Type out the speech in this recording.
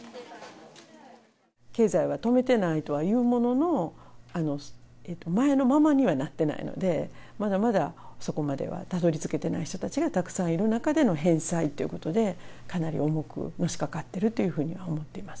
経済は止めてないとはいうものの、前のままにはなってないので、まだまだそこまではたどりつけてない人たちがたくさんいる中での返済ということで、かなり重くのしかかってるというふうには思ってます。